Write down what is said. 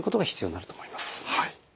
はい。